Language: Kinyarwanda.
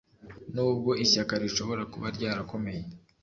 nubwo ishyaka rishobora kuba ryarakomeye,